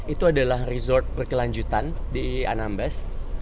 itu adalah resort berkelanjutan di anambas